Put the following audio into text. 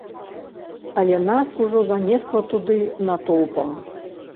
Але нас ужо занесла туды натоўпам.